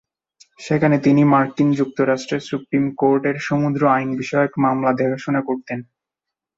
সেখানে তিনি মার্কিন যুক্তরাষ্ট্রের সুপ্রিম কোর্টের সমুদ্র আইন বিষয়ক মামলা দেখাশুনা করতেন।